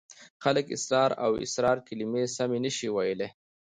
خلک اسرار او اصرار کلمې سمې نشي ویلای.